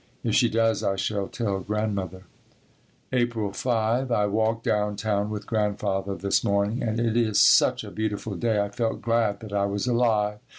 If she does I shall tell Grandmother. April 5. I walked down town with Grandfather this morning and it is such a beautiful day I felt glad that I was alive.